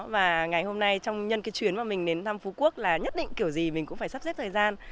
và ngày hôm nay trong nhân cái chuyến mà mình đến thăm phú quốc là nhất định kiểu gì mình cũng phải sắp xếp thời gian